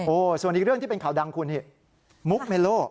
ส่วนอีกเรื่องที่เป็นข่าวดังคุณนี่มุกเมโล